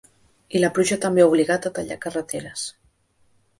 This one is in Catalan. I la pluja també ha obligat a tallar carreteres.